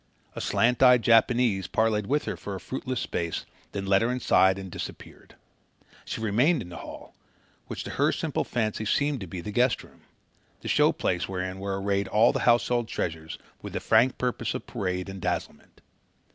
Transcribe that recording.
A slant eyed Japanese parleyed with her for a fruitless space, then led her inside and disappeared. She remained in the hall, which to her simply fancy seemed to be the guest room the show place wherein were arrayed all the household treasures with the frank purpose of parade and dazzlement.